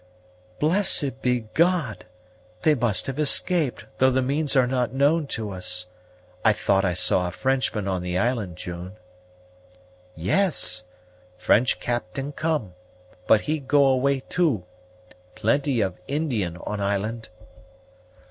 "Blessed be God! They must have escaped, though the means are not known to us. I thought I saw a Frenchman on the island, June." "Yes: French captain come, but he go away too. Plenty of Indian on island."